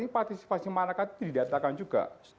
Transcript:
partisipasi masyarakat itu didatakan juga